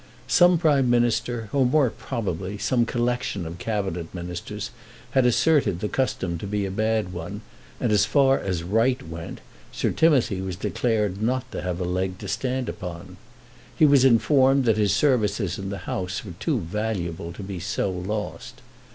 Some Prime Minister, or, more probably, some collection of Cabinet Ministers, had asserted the custom to be a bad one, and, as far as right went, Sir Timothy was declared not to have a leg to stand upon. He was informed that his services in the House were too valuable to be so lost.